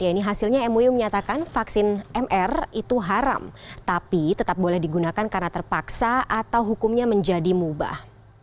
ya ini hasilnya mui menyatakan vaksin mr itu haram tapi tetap boleh digunakan karena terpaksa atau hukumnya menjadi mubah